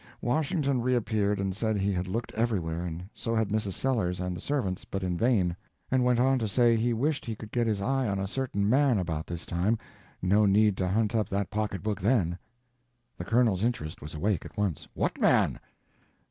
Washington re appeared and said he had looked everywhere, and so had Mrs. Sellers and the servants, but in vain; and went on to say he wished he could get his eye on a certain man about this time—no need to hunt up that pocket book then. The Colonel's interest was awake at once. "What man?"